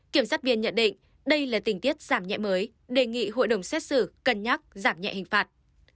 kiểm sát viên nhận định đây là tình tiết giảm nhẹ mới đề nghị hội đồng xét xử cân nhắc giảm nhẹ hình phạt